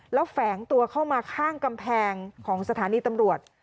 แล้วแฝงตัวเข้ามาข้างกำแพงของสถานีตำรวจ